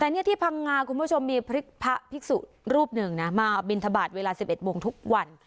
แต่นี่ที่พังงาคุณผู้ชมมีพระภิกษุรูปหนึ่งนะมาบินทบาทเวลา๑๑โมงทุกวัน